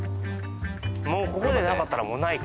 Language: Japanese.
もうここでなかったらない